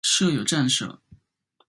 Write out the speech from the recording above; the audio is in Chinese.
设有站舍。